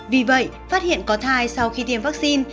vì vậy phát hiện có thai sau khi tiêm vaccine